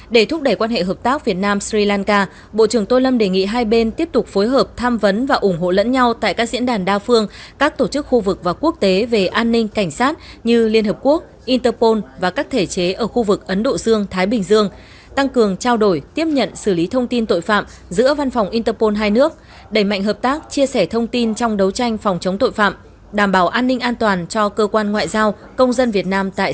để thúc đẩy quan hệ hợp tác việt nam sri lanka bộ trưởng tô lâm đề nghị hai bên tiếp tục phối hợp tham vấn và ủng hộ lẫn nhau tại các diễn đàn đa phương các tổ chức khu vực và quốc tế về an ninh cảnh sát như liên hợp quốc interpol và các thể chế ở khu vực ấn độ dương thái bình dương tăng cường trao đổi tiếp nhận xử lý thông tin tội phạm giữa văn phòng interpol hai nước đẩy mạnh hợp tác chia sẻ thông tin trong đấu tranh phòng chống tội phạm đảm bảo an ninh an toàn cho cơ quan ngoại giao công dân việt